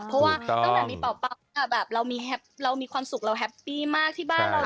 เพราะว่าตั้งแต่มีเปล่าเรามีความสุขเราแฮปปี้มากที่บ้านเรา